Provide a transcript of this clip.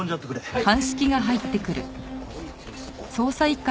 はい。